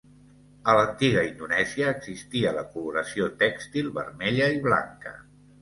A l'antiga Indonèsia existia la coloració tèxtil vermella i blanca.